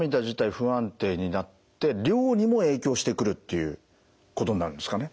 不安定になって量にも影響してくるっていうことになるんですかね。